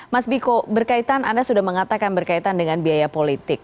mas biko berkaitan anda sudah mengatakan berkaitan dengan biaya politik